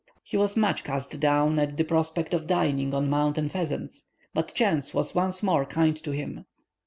He was much cast down at the prospect of dining on mountain phesants; but chance was once more kind to him.